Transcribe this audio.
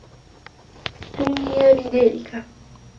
سُمِّيَ بِذَلِكَ